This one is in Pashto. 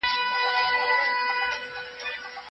هغه په کوچ کې ارامه ناسته وه.